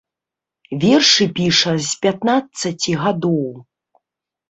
Вершы піша з пятнаццаці гадоў.